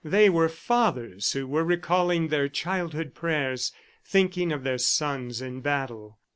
They were fathers who were recalling their childhood prayers, thinking of their sons in battle.